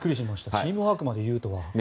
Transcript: チームワークまで言うとは。